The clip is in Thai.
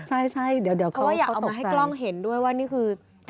เพราะว่าอยากเอาให้กล้องเห็นด้วยว่านี่คือ